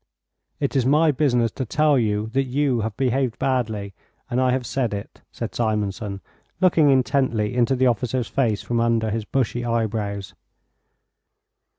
"It is my business to tell you that you have behaved badly and I have said it," said Simonson, looking intently into the officer's face from under his bushy eyebrows.